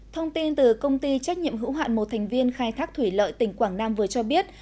thông tin từ công ty trách nhiệm hữu hạn một thành viên khai thác thủy lợi tỉnh quảng nam vừa cho biết